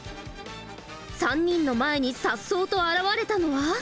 ３人の前にさっそうと現れたのは。